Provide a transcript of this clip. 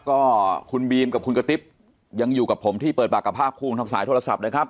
ก็คุณบีมกับคุณกระติ๊บยังอยู่กับผมที่เปิดปากกับภาคภูมิทางสายโทรศัพท์นะครับ